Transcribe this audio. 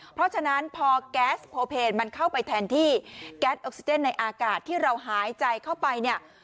เพราะฉะนั้นพอแก๊สโพเพนมันเข้าไปแทนที่แก๊สออกซิเจนในอากาศที่เราหายใจเข้าไปเนี่ย